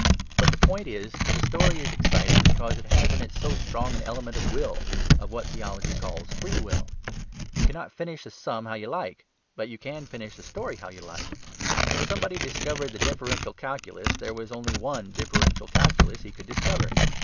But the point is that a story is exciting because it has in it so strong an element of will, of what theology calls free will. You cannot finish a sum how you like. But you can finish a story how you like. When somebody discovered the Differential Calculus there was only one Differential Calculus he could discover.